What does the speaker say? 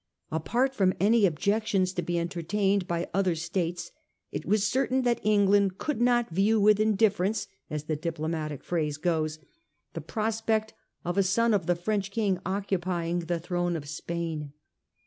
Apart from any objections to be entertained by other states, it was certain that England could not 'view with indifference,' as the diplomatic phrase goes, the prospect of a son of the French King occu pying the throne of Spain.